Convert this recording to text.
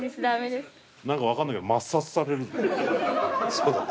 そうだね。